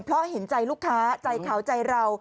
เพราะเห็นใจลูกค้าใจเขาใจเรา